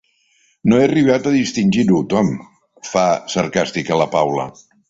No he arribat a distingir-ho, Tom –fa sarcàstica la Paula–.